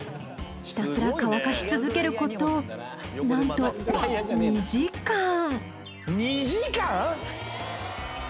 ひたすら乾かし続けることなんと２時間。